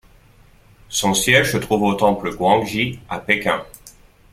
Son siège se trouve au temple Guangji à Pékin.